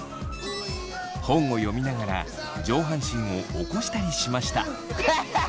本を読みながら上半身を起こしたりしました。